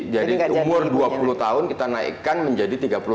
jadi umur dua puluh tahun kita naikkan menjadi tiga puluh tahun